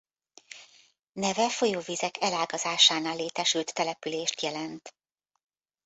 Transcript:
Neve folyóvizek elágazásánál létesült települést jelent.